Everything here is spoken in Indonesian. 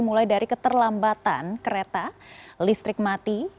mulai dari keterlambatan kereta listrik mati